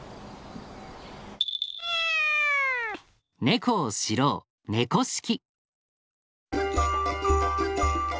ネコを知ろう「猫識」。